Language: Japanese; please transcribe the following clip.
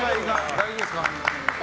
大丈夫ですか。